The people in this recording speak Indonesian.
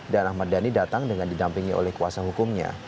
dan ahmad dhani datang dengan didampingi oleh kuasa hukumnya